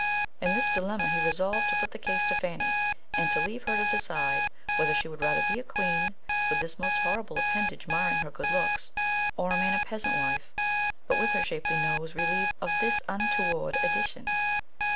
In this dilemma he resolved to put the case to Fanny, and to leave her to decide whether she would rather be a Queen, with this most horrible appendage marring her good looks, or remain a peasant wife, but with her shapely nose relieved of this untoward addition.